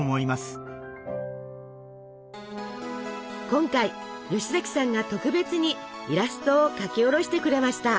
今回吉崎さんが特別にイラストを描き下ろしてくれました。